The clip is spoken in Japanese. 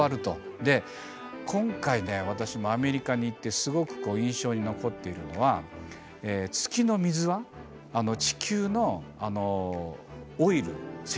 今回ね私もアメリカに行ってすごく印象に残っているのは月の水は地球のオイル石油よりも価値があると。